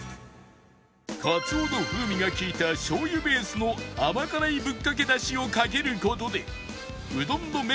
かつおの風味が利いた醤油ベースの甘辛いぶっかけだしをかける事でうどんの麺